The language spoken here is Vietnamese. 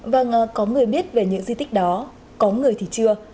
vâng có người biết về những di tích đó có người thì chưa